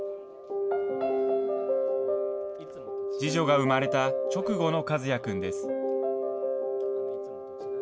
次女が産まれた直後の和弥くんです。